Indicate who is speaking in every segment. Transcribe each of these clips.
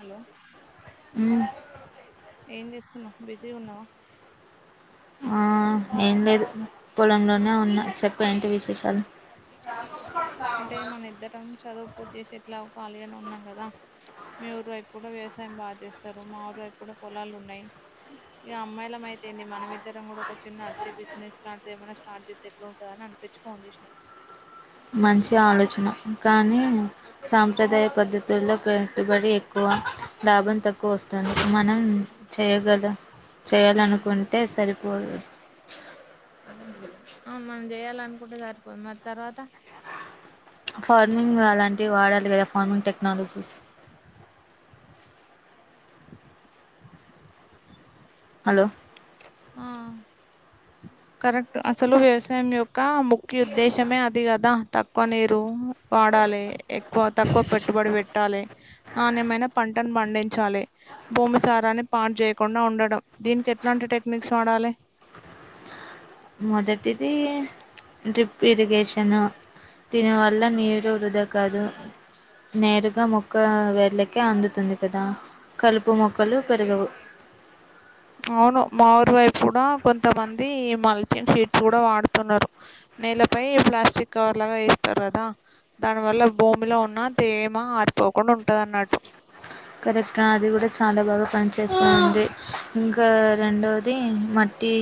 Speaker 1: Hello
Speaker 2: ఉమ్
Speaker 1: ఏం జేస్సున్నావ్ బిజీగా ఉన్నావా
Speaker 2: ఆ ఏం లేదు పొలంలోనే ఉన్న చెప్ ఏంటి విశేషాలు
Speaker 1: అంటే మనం ఇద్దరం చదువు పూర్తి చేసి ఎట్లా ఖాళీగానే ఉన్నాం కదా మీ ఊరు ఎయిప్పు కూడా వ్యవసాయం బాగా చేస్తారు మా ఊరు ఎప్పు కూడా పొలాలు ఉన్నాయి ఇక అమ్మాయిలము అయితేంది మనంమిద్దరం కూడా ఒక చిన్న అగ్రి బిజినెస్ లాంటిది ఏమైనా స్టార్ట్ చేస్తే ఎట్లా ఉంటందని అన్ పచ్చి ఫోన్ చేసినా
Speaker 2: మంచి ఆలోచన కానీ సాంప్రదాయ పద్ధతుల్లో పె పెట్టుబడి ఎక్కువ లాభం తక్కువ వస్తది మనం చేయగల చేయాలను కొంటే సరిపోదు
Speaker 1: అవును మనం చేయాలనుకుంటే సరిపోదు మరి తర్వాత
Speaker 2: ఫార్మింగ్ అలాంటివి వాడాలి కదా ఫార్మింగ్ టెక్నాలజీస్ హలో
Speaker 1: ఆ కరెక్ట్ అసలు వ్యవసాయం యొక్క ముఖ్య ఉద్దేశమే అది కదా తక్కువ నీరు వాడాలి ఎక్కువ తక్కువ పెట్టుబడి పెట్టాలి నాణ్యమైన పంటను పండించాలి భూమి సారాన్ని పాడు చేయకుండా ఉండడం దీనికి ఎట్లాంటి టెక్ మిక్స్ వాడాలి
Speaker 2: మొదటిది డ్రిప్ ఇరిగేషను దీనివల్ల నీరు వృధా కాదు నేరుగా మొక్క వేళ్ళకే అందుతుంది కదా కలుపు మొక్కలు పెరగవు
Speaker 1: [inaudible] అవును మా ఊరి వైపు కూడా కొంతమంది ఈ మల్చింగ్ షీట్స్ కూడా వాడుతున్నారు నీళ్లపై ప్లాస్టిక్ కవర్ లాగా వేస్తారు కదా దాని వల్ల భూమిలో ఉన్న తేమ ఆర్పి పోకుండా ఉంటాదన్నట్టు
Speaker 2: కరెక్ట్గా అది కూడా చాలా బాగా పనిచేస్తుంది ఇంకా రెండవది మ టీ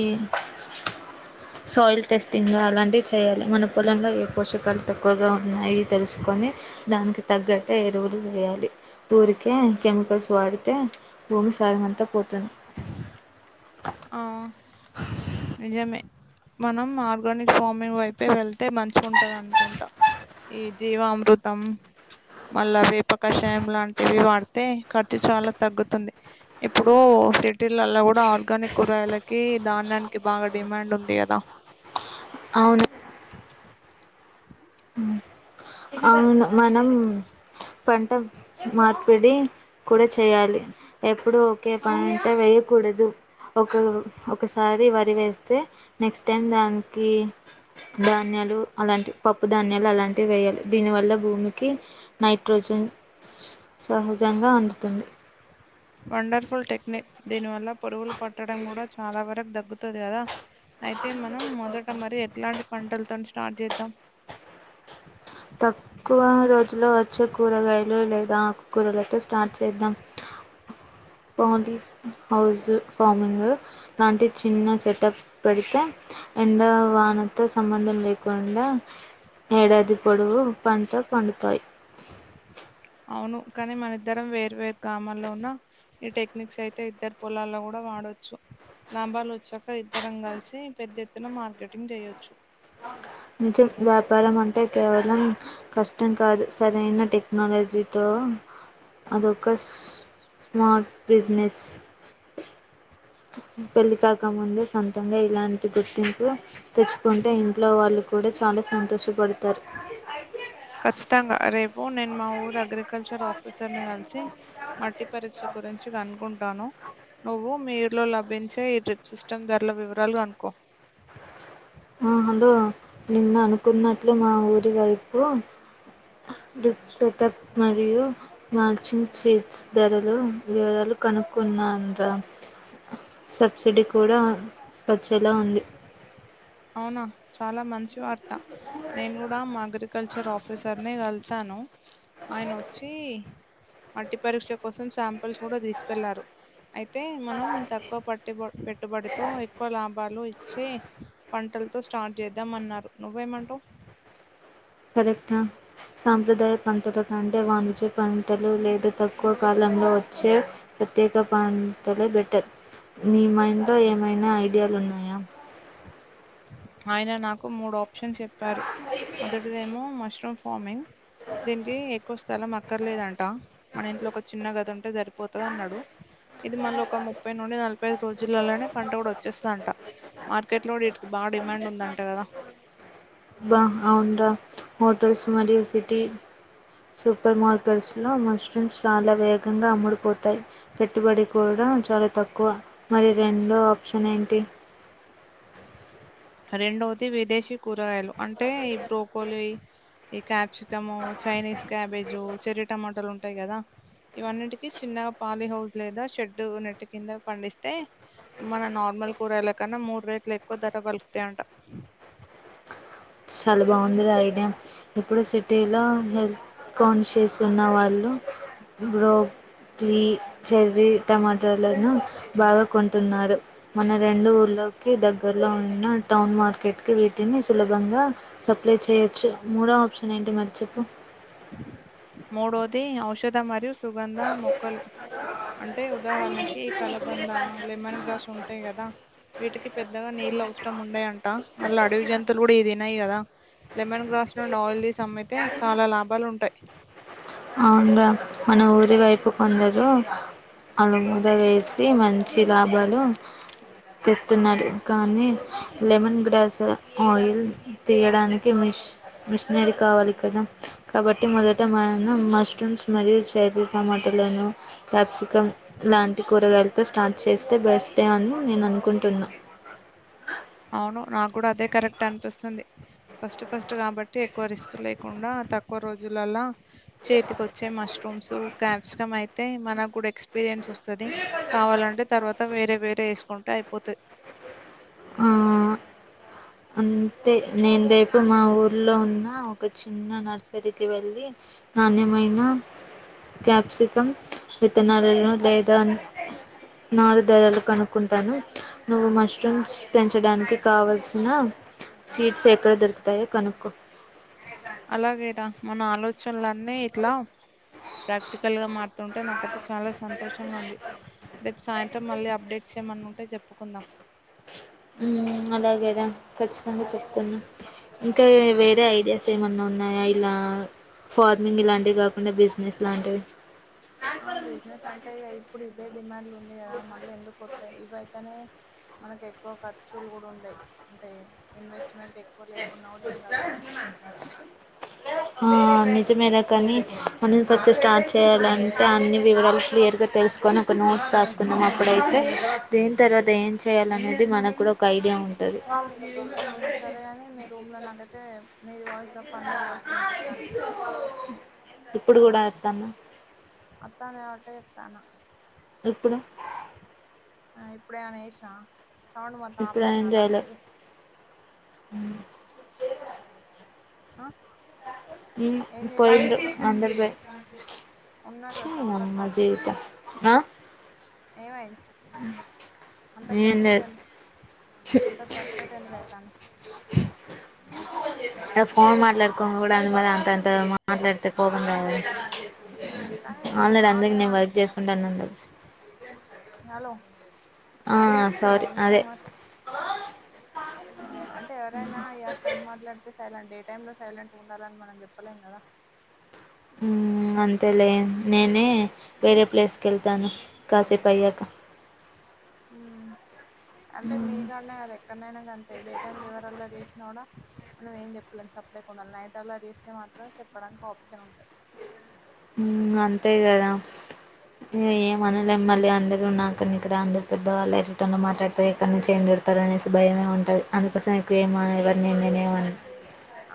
Speaker 1: [inaudible]
Speaker 2: సాయిల్ టెస్టింగ్ అలాంటివి చేయాలి మన పొలంలో ఏ పోషకాలు తక్కువగా ఉన్నాయి తెలుసుకొని దానికి తగ్గట్టే ఎరువురు వేయాలి ఊ కే కెమికల్స్ వాడితే భూమి సారం అంత పోతు
Speaker 1: ఆ, నిజమే మనం ఆర్గానిక్ ఫార్మింగ్ వైపే వెళ్తే మంచిగ ఉంటాది అనుకుంట ఈ జీవాఅమృతం మళ్ళా వేప కషాయం లాంటివి వాడితే ఖర్చు చాల తగ్గుతుంది ఇప్పుడు సిటీలలో కూడ ఆర్గానిక్ కూరయలకి ధాన్యానికి బాగ డిమాండ్ ఉంది కదా
Speaker 2: అవును అవును మనం పంట మార్పిడి కూడ చేయాలి ఎప్పుడు ఒకే పంట వేయకూడదు ఒక ఒకసారి వరి వేస్తే నెక్స్ట్ టైం దానికి ధాన్య లు అలాంటి పప్పు ధాన్యాలు అలాంటివి వేయాలి దీనివల్ల భూమికి నైట్రోజన్ సహజంగ అందుతుంది
Speaker 1: వండర్ఫుల్ టెక్నిక్ దీనివల్ల పూరుగులు పట్టడం కూడ చాల వరకు దగ్గుతాది కదా అయితే మనం మొదట మరి ఎట్లాంటి పంటలతోని స్టార్ట్ చేద్దాం
Speaker 2: తక్కువ రోజుల్లో వచ్చే కూరగాయలు లేద ఆకు కూరలతో స్టార్ట్ చేద్దాం
Speaker 1: [inaudible]
Speaker 2: పౌలి హౌస్ ఫార్మింగ్ లాంటి చిన్న సెటప్ పెడితే ఎండ వానతో సంబంధం లేకుండా ఏడాది పోడువు పంట పండుతాయి
Speaker 1: అవును కానీ మన ఇద్దరం వేరూ వేరు [unintelligible] ఉన్న ఈ టెక్నిక్స్ అయితే ఇద్దరు పొలాల్లో కూడ వాడొచ్చు లాభాలు వచ్చాక ఇద్దరం కలిసి పెద్ద ఎత్తున మార్కెటింగ్ చేయొచ్చు
Speaker 2: అకా [unintelligible] నిజం వ్యాపారం అంటే కేవలం కష్టం కాదు సరైన టెక్నాలజీతో అదో ఒక స్మార్ట్ బిజినెస్ పెళ్లి కాక ముందే సొంతంగ ఇలాంటి గుర్తింపు తెచ్చుకుంటే ఇంట్లో వాళ్ళు కూడ చాల సంతోషపడతారు
Speaker 1: [inaudible] పో నేను మా ఊరు అగ్రికల్చర్ ఆఫీసర్ని కలిసి మట్టి పరీక్ష గురించి కనుకుంటాను నువ్వు మీ ఊరిలో లభించే ఈ డ్రిప్ సిస్టమ్ ధరల వివరాలు కనుకో
Speaker 2: ఆ హలో నిన్న అనుకున్నట్లు మా ఊరి వైపు [unintelligible] సెటప్ మరియు మార్చింగ్ [unintelligible] ధరలు వివరాలు కనుకున్నాను ర సబ్సిడీ కూడ వచ్చేలా ఉంది
Speaker 1: అవునా చాల మంచి వార్త నేను కూడ మా అగ్రికల్ చర్ ఆఫీసర్నే [unintelligible] ఆయన ఒచ్చి మట్టి పరీక్ష కోసం శాంపిల్స్ కూడ తీసుకెళ్లారు ఐ తే మనం తక్కువ పట్టుబ పెట్టుబడితో ఎక్కువ లాభాలు ఇచ్చే పంటలతో స్టార్ట్ చేద్దామన్నారు నువ్వేమంటవు
Speaker 2: కరెక్టే సాంప్రదాయ పంటల కంటే వాణిజ్య పంటలు లేదా తక్కువ కాల లో వచ్చే ప్రత్యేక [unintelligible] బెటర్ మైండ్ లో ఏమైనా ఐడియా లున్నాయా
Speaker 1: వో మ ఆయన నాకు మూడు ఆప్షన్ చెప్పారు మొదటిదేమో మష్రూమ్ ఫార్మింగ్ దీనికి ఎక్కుస్త్ స్థలం అక్కర్లేదంట మన ఇంట్లో ఒక చిన్న గది ఉంటే సరిపోతది అన్నాడు. ఇది మళ్ళీ ఒక ముప్పై నుండి నలభై ఐదు రోజులలోనే పంట కూడా వచ్చేస్తదట మార్కెట్ లోండ్ ఇటికి బాగా డిమాండ్ ఉందంటా కదా
Speaker 2: బా అవన్రా హోటల్స్ మరియు సిటీ సూపర్ మార్కెట్స్లో మష్రూమ్స్ చాలా వేగంగా అమ్ముడిపోతాయ్ పెట్టుబడి కూడా చాలా తక్కువ మరి రెండో ఆప్షన్ ఏంటి
Speaker 1: [inaudible] రెండోది విదేశీ కూరగాయలు అంటే బ్రోకోలి ఈ క్యాప్సికము చైనీస్ క్యాబేజు చెరీ టమాటాలు ఉంటాయి కదా ఇవన్నిటికి చిన్నగా పాలి హౌస్ లేదా షెడు నెట్ కింద పండిస్తే మన నార్ నార్మల్ కూరగాయల కన్నా మూడు రేట్లు ఎక్కువ ధర పలుకుతాయంటా.
Speaker 2: చాలా బాగుంది ఐడియా ఇప్పుడు సిటీలో హెల్ కాన్షియస్ ఉన్నవాళ్ళు బ్రో ట్రీ చెర్రీ టమాటలను బాగా కొంటున్నారు మన రెండు ఊళ్ళ లోకి దగ్గర్లో ఉన్న టౌన్ మార్కెట్కి వీటిని సులభంగా సప్లై చేయొచ్చు మూడో ఆప్షన్ ఏంటి మరి చెప్పు
Speaker 1: మూడోది ఔషధ మరియు సుగంధ మొక్కలు అంటే ఉదాహరణకి కలబంద లెమన్ గ్రాస్ ఉంటాయి కదా వీటికి పెద్దగా నీళ్ళ అవసరం ఉండయంట మళ్లా అడివి జంతువులు కూడా ఇవి తినయి కదా. లెమన్ గ్రాస్ నుండి ఆయిల్ తీసి అమ్మితే చాలా లాభాలు ఉంటాయ్.
Speaker 2: అవున్ర మన ఊరి వైపు కొందరు అలముద వేసి మంచి లాభాలు తీస్తున్నారు కానీ లెమన్ గ్రాస్ ఆయిల్ తీయడానికి మీ మిషనారి కావలి కదా కాబట్టి మొదట మ నం మష్రూమ్ మరియు చెర్రీ టమాటలను కప్సికమ్ లాంటి కూరగాయలతో స్ట స్టార్ట్ చేస్తే బెస్టే అని నేను అనుకుంటున్నా
Speaker 1: [inaudible] అవును నాకు కూడా అదే కరెక్ట్ అనిపిస్తుంది, ఫస్ట్ ఫస్ట్ కాబట్టి ఎక్కువ రిస్క్ లేకుండా తక్కువ రోజులలా చేతికి వచ్చే మష్రూమ్స్ గ్యాప్స్కమ్ అయితే మన కూడా ఎక్స్ ఎక్స్పీరియన్స్ వస్తుంది కావాలంటే తర్వాత వేరే వేరే వేసుకుంటే అయిపోతది.
Speaker 2: ఆ అంతే నేను రేపు మా ఊర్లో ఉన్న ఒక చిన్న నర్సరీకి వెళ్ళి నాణ్యమైనా క్యాప్సికమ్ విత్తనాలను లేదా నారు ధరలు కనుక్కుంటాను నువ్వు మష్రూమ్స్ పెంచడానికి కావల్సి వునా సీట్స్ ఎక్కడ దొరుకుతాయో కనుక్కో
Speaker 1: అలాగేరా మన ఆలోచనలన్నీ ఇట్లా ప్రాక్టికల్గా మారుతుంటే నాకైతే చాలా సంతోషంగా ఉంది దే సాయంత్రం మళ్ళీ అప్డేట్స్ చేయమన్న ఉంటే చెప్పుకుందాం.
Speaker 2: ఉ ఉ అలాగేరా ఖచ్చితంగా చెప్పుకుందాం ఇంకా వేరే ఐడియాస్ ఏమైన్నా ఉన్నాయా ఇలా
Speaker 1: [inaudible]
Speaker 2: ఫార్మింగ్ ఇలాంటివి కాకుండా బిజినెస్ లాంటివి
Speaker 1: ఆ బిజినెస్ అంటే ఇగ ఇప్పుడు ఇదే డిమాండ్ ఉంది కదా మళ్ళీ ఎందుకు ఇవయితేనే మనకు ఎక్కువ ఖర్చులు కూడా ఉండయి అంటే ఇన్వెస్ట్మెంట్ ఎక్కువ
Speaker 2: ఎ
Speaker 1: లేకున్నా కూడా ఏం
Speaker 2: ఉత్సవా
Speaker 1: కాదన్నట్టు
Speaker 2: అ మారు ఆ నిజమేలే కానీ మనని ఫస్ట్ స్టార్ట్ చేయాలంటే అన్ని వివరాలు క్లియర్ గా తెలుసు తీసుకొని ఒక నోట్స్ రాసుకుందాం అప్పుడైతే దేని తర్వాత ఏం చేయాలినేది మనకు కూడా ఒక ఐడియా ఉంటది అది
Speaker 1: రూమ్ల నాకైతే నీది వాయిస్ తప్ప అందర్ వాయిస్లు వినిపిత్తన్నయ్
Speaker 2: ఇప్పుడు కూడా అత్తందా
Speaker 1: అత్తంది కాబట్టే చెప్తానా
Speaker 2: ఇప్పుడు
Speaker 1: ఆ ఇప్పుడేమన్న చేసినవ సౌండు మొత్తం ఆపేసినవ వాళ్ల అందరిది
Speaker 2: అ
Speaker 1: ఆ ఏం చేసినావు
Speaker 2: పాయింట్లు
Speaker 1: ఇప్పుడు
Speaker 2: అందరూ పోయిళ్ళు
Speaker 1: ఉన్నారు
Speaker 2: చి
Speaker 1: కదా సౌండ్
Speaker 2: దీనమ్మ
Speaker 1: వత్తాంది
Speaker 2: జీవితం ఆ
Speaker 1: ఏమైంది అంతా
Speaker 2: ఏం
Speaker 1: ఫ్రస్టేట్
Speaker 2: లేదు
Speaker 1: ఏ అంత ఫ్రస్టేట్ ఎందుకు ఐతన్నవ్
Speaker 2: ఫోన్ మాట్లాడుకొంగ కూడా అ మా అంత అంత మాట్లాడుతే కోపం రాదా
Speaker 1: కానీ
Speaker 2: ఆల్రెడీ అందరికి నేను
Speaker 1: వాళ్ళేమనుకు
Speaker 2: వర్క్ చేసుకుంటన్నా అని తెలుసు
Speaker 1: హలో
Speaker 2: ఆ సారీ అదే
Speaker 1: ఆ అంటే ఎవరైనా ఇ ఫోన్ మాట్లాడితే సైలెంట్ ఏ టైంలో సైలెంట్ ఉండాలని మనం చెప్పలేం కదా
Speaker 2: ఉమ్ అంతేలే నేనే వేరే ప్లేస్ వెళ్తాను కాసేపు అయ్యాక
Speaker 1: ఉ అంటే మీ
Speaker 2: మ్మ్
Speaker 1: కానే కదా ఎక్కడనైనా అంతే డే టైమ్ ఎవరు అల్లరి చేసినా కూడా మనం ఏం చెప్పలేం సప్పుడేకా ఉండాలి నైట్ అల్లరి చేస్తే మాత్రం చెప్పడానికి ఆప్షన్ ఉంటది
Speaker 2: ఉమ్ అంతే కదా ఏమ్ ఏమనలేము మళ్ళీ అంద ఇ నాకని ఇక్కడ అందరు పెద్దవాళ్ళుటర్ లో మాట్లాడతారు ఇక్కడ నుంచి ఏం తిడతారు అనేసి భయమే ఉంటుది అందుకోసం నాకు ఏమ ఎవరి నేను ఏం అన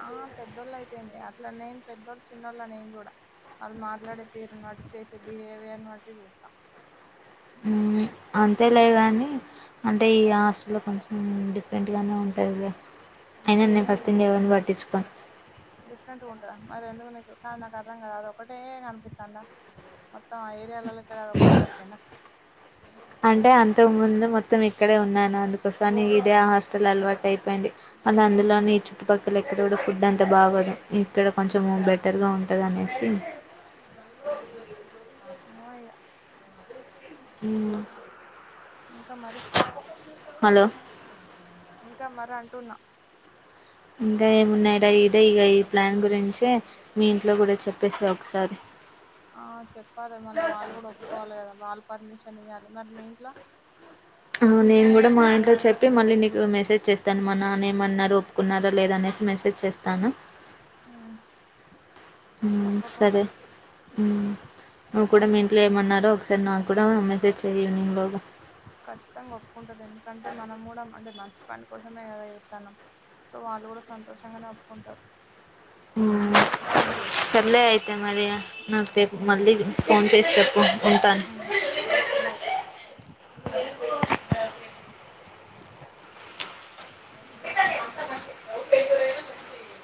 Speaker 1: ఆ పెద్దోళ్ళు అయితేంది అట్లా నేను పెద్దోళ్ళు చిన్నోళ్ళ నేను చూడ వాళ్ళు మాట్లాడే తీరు బట్టి చేసే బిహేవియర్ బట్టి చూస్తా
Speaker 2: హ అంతే లేదు కానీ అంటే ఈ హాస్టల్లో కొంచెం డిఫరెంట్గానే ఉంటది లే అయిన నేను
Speaker 1: ఎందు
Speaker 2: ఫస్ట్ ఇన్ల ఎవరిని పట్టించుకోను
Speaker 1: డిఫరెంట్గా ఉంటుందా మరి ఎందుకు నీకు నాకు అర్థం కాదు అదకటే కనిపిస్తుందా మొత్తం ఆ ఏరియాలలోకి అది ఒక్కటే దొరికిందా
Speaker 2: అంటే అంతకు ముందు మొత్తం ఇక్కడే ఉన్నాను అందుకోసంని ఇదే ఆ హాస్టల్ అలవాటు అయిపోయింది మళ్ళీ అందులోని చుట్టుపక్కల ఎక్కడ కూడా ఫుడ్ అంతా బాగోదు ఇక్కడ కొంచెం బెటర్ గా ఉంటది అనేసి
Speaker 1: ఏమో ఇగ
Speaker 2: అ
Speaker 1: ఇంకా మరి
Speaker 2: హలో
Speaker 1: ఇంకా మరి అంటున్నా
Speaker 2: ఇంకా ఏమున్నాయి రా ఇదే ఇక ఈ ప్లాన్ గురించే మీ ఇంట్లో కూడా చెప్పేసిరా ఒకసారి
Speaker 1: ఆ చెప్పాలే మళ్ళ వాళ్ళు కూడా ఒప్పుక్కోవాలి కదా వాళ్ళ పర్మిషన్ నియ్వాలే మరి మీ ఇంట్ల
Speaker 2: ఆ నేను కూడా మా ఇంట్లో చెప్పి మళ్ళీ నీకు మెసేజ్ చేస్తాను మా నాన్న ఏమన్నారు ఒప్పుకున్నార లేదనేది స్ మెసేజ్ చేస్తాను
Speaker 1: ఊ
Speaker 2: ఊ సరే ఊ నువు కూడా మిన్ కుల్ ఏమన్నారో ఒకసారి నాకు కూడా మెసేజ్ చే
Speaker 1: ఖచ్చితంగా ఒప్పుకుంటడు ఎందుకంటే మనం కూడా అంటే మంచి పని కోసమే కదా చేస్తన్నాం సో వాళ్ళు కూడా సంతోషం గనే ఒప్పుకుంటరు
Speaker 2: సల్లే అయితే మరి ఇగ నాకు రేపు మళ్ళీ ఫోన్ చేసి చెప్పు ఉంటాను
Speaker 1: సరే బాయ్
Speaker 2: ఎందుకండీ అంత మంచి చెప్తవ్ రేపు లేదా మంచి